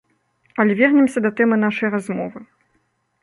Але вернемся да тэмы нашай размовы.